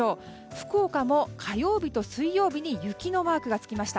福岡も火曜日と水曜日に雪のマークがつきました。